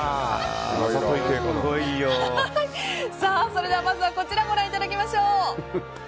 それではまずはこちらご覧いただきましょう。